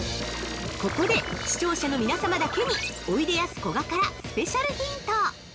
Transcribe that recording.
◆ここで視聴者の皆様だけに、おいでやすこがからスペシャルヒント！